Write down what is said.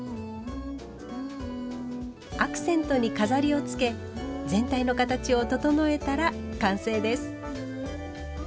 アクセントに飾りをつけ全体の形を整えたら完成です。